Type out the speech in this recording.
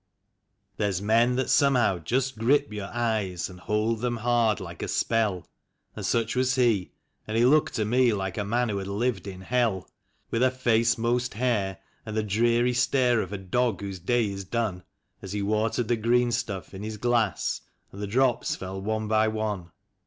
31 There's men that somehow just grip your eyes, and hold them hard like a spell; And such was he, and ho looked to me like a man who had lived in hell ; With a face most hair, and the dreary stare of a dog whose day is done, As he watered the green stuff in his glass, and the drops fell one by one.